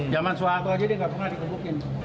zaman soeharto aja dia nggak pernah dikebukin